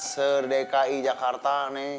serdekai jakarta neng